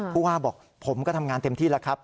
ผู้ว่าบอกผมก็ทำงานเต็มที่แล้วครับ